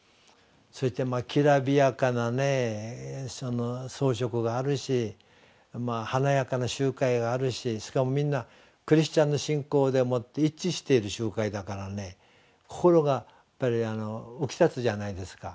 そしてきらびやかなね装飾があるし華やかな集会があるししかもみんなクリスチャンの信仰でもって一致している集会だからね心がやっぱり浮きたつじゃないですか。